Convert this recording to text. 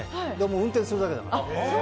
運転するだけだから。